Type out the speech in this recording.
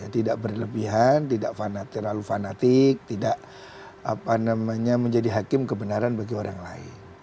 tidak berlebihan tidak terlalu fanatik tidak menjadi hakim kebenaran bagi orang lain